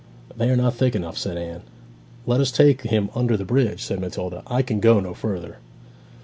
'They are not thick enough,' said Anne. 'Let us take him under the bridge,' said Matilda. 'I can go no further.'